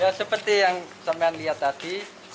ya seperti yang saya lihat tadi